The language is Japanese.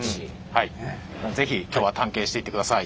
是非今日は探検していってください。